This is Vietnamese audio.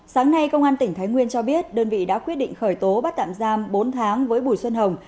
sáng nay công an tỉnh thái nguyên cho biết đơn vị đã quyết định khởi tố bắt tạm giam bốn tháng với bùi xuân hồng